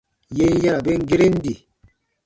Yè n yara ben geren di.